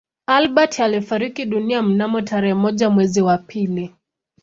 Albert alifariki dunia mnamo tarehe moja mwezi wa pili